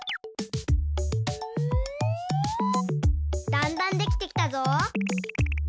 だんだんできてきたぞ。